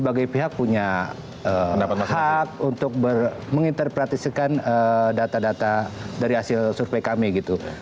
sebagai pihak punya hak untuk menginterpretisikan data data dari hasil survei kami gitu